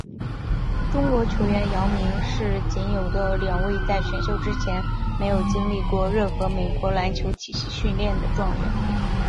中国球员姚明是仅有的两位在选秀之前没有经历过任何美国篮球体系训练的状元。